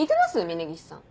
峰岸さん。